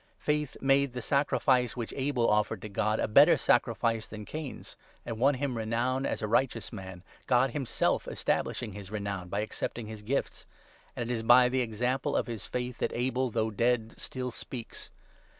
Faith made the sacrifice which Abel offered to God a better sacrifice than Cain's, and won him renown as a righteous man, God himself establishing his renown by accepting his gifts ; and it is by the example of his faith that Abel, though dead, still speaks.